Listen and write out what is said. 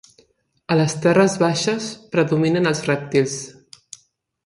A les terres baixes predominen els rèptils.